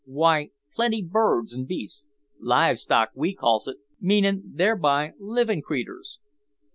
"Why, plenty birds and beasts, live stock we calls it, meanin' thereby livin' creeturs."